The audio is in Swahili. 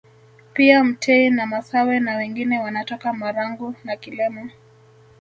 Pia mtei na masawe na wengine wanatoka Marangu na Kilema